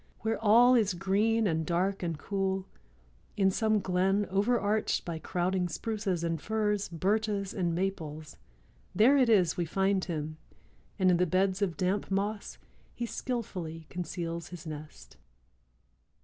Where all is green and dark and cool, in some glen overarched by crowding spruces and firs, birches and maples, there it is we find him and in the beds of damp moss he skillfully conceals his nest."